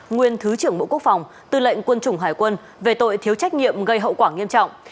nguyên thứ trưởng bộ quốc phòng tư lệnh quân chủng hải quân về tội thiếu trách nhiệm gây hậu quả nghiêm trọng